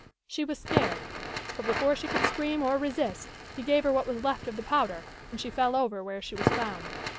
She was scared, but before she could scream or resist, he gave her what was left of the powder and she fell over where she was found.